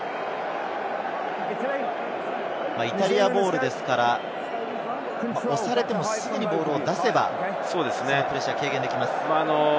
イタリアボールですから、押されても、すぐにボールを出せば、そのプレッシャーは軽減できます。